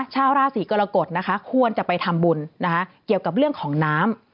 ชาวราศีกรกฎนะคะควรจะไปทำบุญนะคะเกี่ยวกับเรื่องของน้ำ